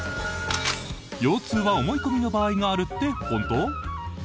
腰痛は思い込みの場合があるって本当？